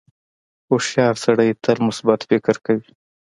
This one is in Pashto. • هوښیار سړی تل مثبت فکر کوي.